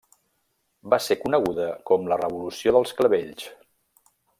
Va ser coneguda com la Revolució dels Clavells.